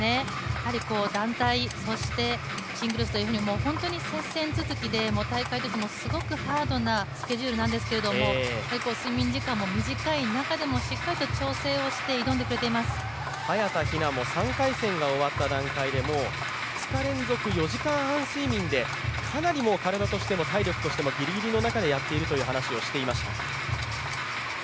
団体、そしてシングルスというふうに本当に接戦続きで大会としてもすごくハードなスケジュールなんですけれども、睡眠時間も短い中でもしっかりと調整して、挑んできてくれています早田ひなも３回戦が終わった段階で、もう２日連続４時間半睡眠でかなり体としても体力としてもギリギリの中でやっているという話をしていました。